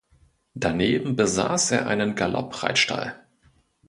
Daneben besaß er einen Galopp-Reitstall.